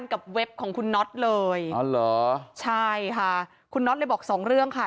เว็บของคุณน็อตเลยอ๋อเหรอใช่ค่ะคุณน็อตเลยบอกสองเรื่องค่ะ